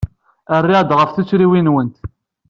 Rriɣ-d ɣef tuttriwin-nwent.